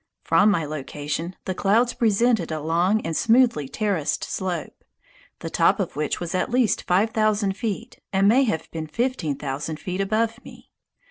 From my location, the clouds presented a long and smoothly terraced slope, the top of which was at least five thousand feet and may have been fifteen thousand feet above me.